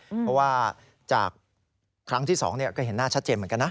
เพราะว่าจากครั้งที่๒ก็เห็นหน้าชัดเจนเหมือนกันนะ